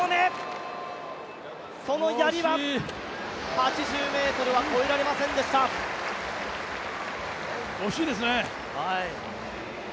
８０ｍは越えられませんでした惜しいですね。